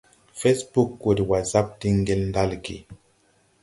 Fɛsbug wɔ de wasap diŋ ŋdel ɗalge.